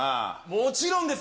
もちろんです。